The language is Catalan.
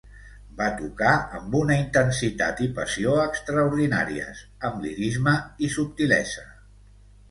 Va tocar amb una intensitat i passió extraordinàries, amb lirisme i subtilesa.